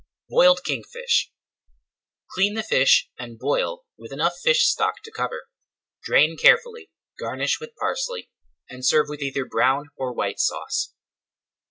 BOILED KINGFISH Clean the fish and boil with enough fish stock to cover. Drain carefully, garnish with parsley, and serve with either Brown or White Sauce.